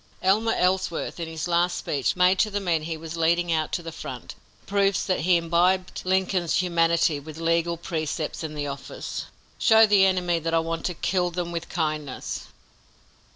Elmer Ellsworth, in his last speech, made to the men he was leading out to the front, proves that he imbibed Lincoln's humanity with legal precepts in the office: "Show the enemy that I want to kill them with kindness."